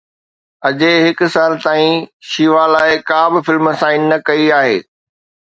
اجي هڪ سال تائين شيوا لاءِ ڪا به فلم سائن نه ڪئي آهي